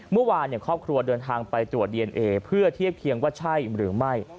เมื่อวานครอบครัวเดินทางไปตรวจดีเอนเอเพื่อเทียบเคียงว่าใช่หรือไม่